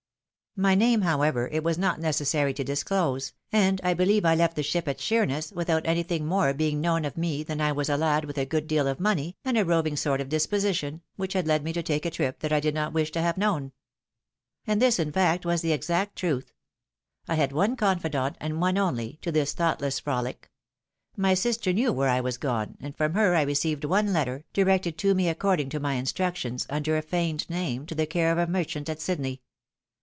My name, however, it was not necessary to disclose, and I beheve I left ihe ship at Sheemess, without anything more being known of 246 THE WIDOW MARRIED. me than that I was a lad with a good deal of money, and a roving sort of disposition, which had led me to take a trip that I did not wish to have known. And this, in fact, was the exact truth. I had one confidant, and one only, to this thoughtless frohc ; my sister knew where I was gone, and from her I received one letter, directed to me according to my instructions, under a feigned name, to the care of a merchant at Sydney.